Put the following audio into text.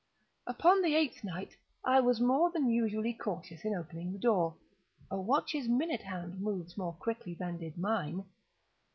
Upon the eighth night I was more than usually cautious in opening the door. A watch's minute hand moves more quickly than did mine.